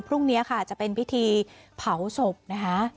พรุ่งนี้ค่ะจะเป็นพิธีเผาศพนะคะ